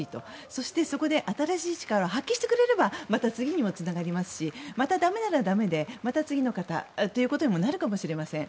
そしてそこで新しい力を発揮してくれればまた次にもつながりますしまた、駄目なら駄目でまた次の方ということにもなるかもしれません。